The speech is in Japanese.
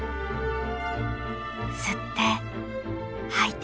吸って吐いて。